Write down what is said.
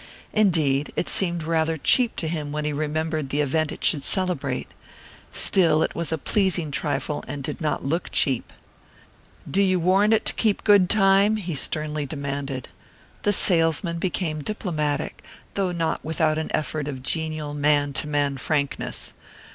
Indeed it seemed rather cheap to him when he remembered the event it should celebrate. Still, it was a pleasing trifle and did not look cheap. "Do you warrant it to keep good time?" he sternly demanded. The salesman became diplomatic, though not without an effect of genial man to man frankness.